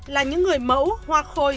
là những người mẫu hoa khôi